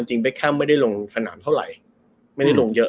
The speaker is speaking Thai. เบคแคมไม่ได้ลงสนามเท่าไหร่ไม่ได้ลงเยอะ